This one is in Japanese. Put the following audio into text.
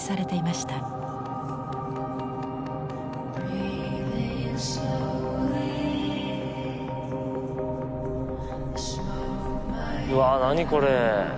うわ何これ。